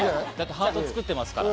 ハート作ってますもんね。